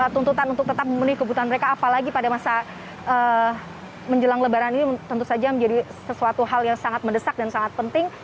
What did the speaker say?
tuntutan untuk tetap memenuhi kebutuhan mereka apalagi pada masa menjelang lebaran ini tentu saja menjadi sesuatu hal yang sangat mendesak dan sangat penting